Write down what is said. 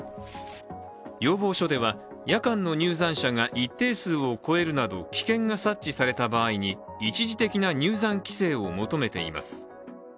要望書では、夜間の入山者が一定数を超えるなど、危険が察知された場合に一時的な入山規制を求めています。